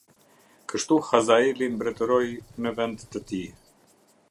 Kështu Hazaeli mbretëroi në vend të tij.